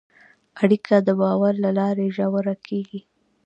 اړیکه د باور له لارې ژوره کېږي.